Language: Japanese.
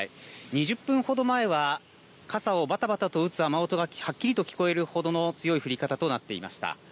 ２０分ほど前は傘をバタバタと打つ雨音がはっきりと聞こえるほどの強い降り方となっていました。